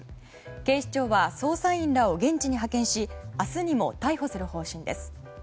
警視庁は捜査員らを現地に派遣し明日にも逮捕する方針です。